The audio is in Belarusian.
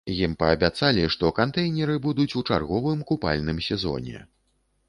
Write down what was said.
Ім паабяцалі, што кантэйнеры будуць у чарговым купальным сезоне.